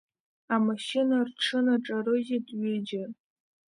Амашьына рҽынаҿарыжьит ҩыџьа.